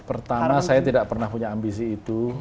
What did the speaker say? pertama saya tidak pernah punya ambisi itu